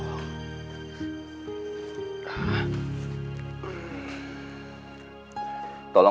terima kasih an